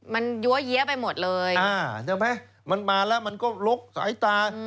มันยั้วเยี้ยไปหมดเลยอ่าใช่ไหมมันมาแล้วมันก็ลกสายตา